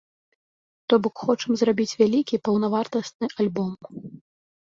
То бок, хочам зрабіць вялікі паўнавартасны альбом.